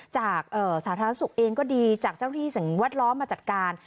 สาธารณสุขเองก็ดีจากเจ้าที่สิ่งแวดล้อมมาจัดการ